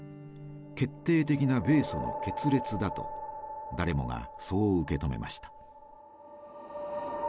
決定的な米ソの決裂だと誰もがそう受け止めました。